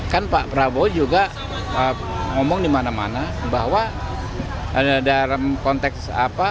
kan pak prabowo juga ngomong dimana mana bahwa dalam konteks apa